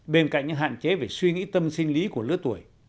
bên cạnh những hạn chế về suy nghĩ tâm sinh lý của lứa tuổi